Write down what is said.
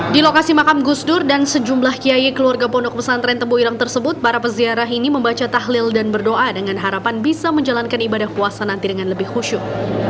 di lokasi makam gusdur dan sejumlah kiai keluarga pondok pesantren tembuirang tersebut para peziarah ini membaca tahlil dan berdoa dengan harapan bisa menjalankan ibadah puasa nanti dengan lebih khusyuk